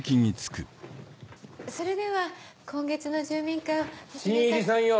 それでは今月の住民会を。